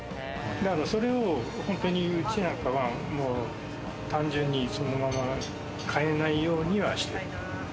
それを本当にうちなんかは単純にそのまま変えないようにはしてる。